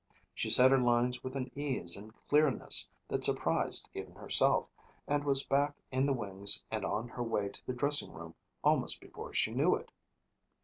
She said her lines with an ease and clearness that surprised even herself and was back in the wings and on her way to the dressing room almost before she knew it.